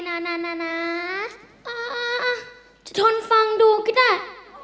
นะนะนะนะอ่าอ่าจะทนฟังดูก็ได้